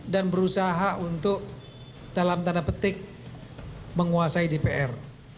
dan berusaha untuk dalam tanda petik menguasai dpr